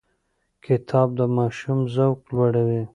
کتاب د ماشوم ذوق لوړوي.